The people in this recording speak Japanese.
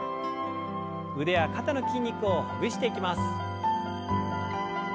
腕や肩の筋肉をほぐしていきます。